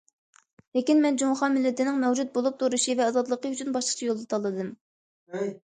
لېكىن، مەن جۇڭخۇا مىللىتىنىڭ مەۋجۇت بولۇپ تۇرۇشى ۋە ئازادلىقى ئۈچۈن باشقىچە يول تاللىدىم.